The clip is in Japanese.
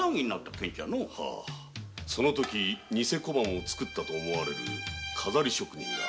その時ニセ小判を作ったと思われる飾り職人が。